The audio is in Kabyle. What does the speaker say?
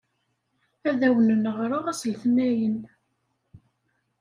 Ad awen-n-ɣṛeɣ ass Letnayen.